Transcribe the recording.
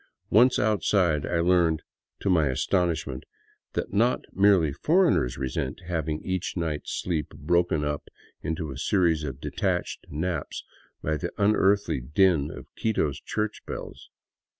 Once outside I learned — to my astonishment — that not merely foreigners resent having each night's sleep broken up into a series of detached naps by the unearthly din of Quito's church bells.